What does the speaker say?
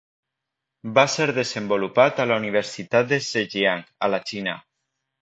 Va ser desenvolupat a la universitat de Zhejiang a la Xina.